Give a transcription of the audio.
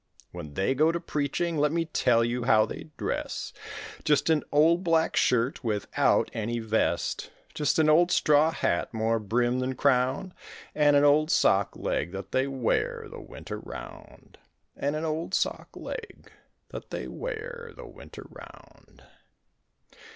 When they go to preaching let me tell you how they dress; Just an old black shirt without any vest, Just an old straw hat more brim than crown And an old sock leg that they wear the winter round, And an old sock leg that they wear the winter round.